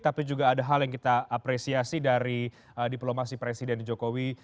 tapi juga ada hal yang kita apresiasi dari diplomasi presiden jokowi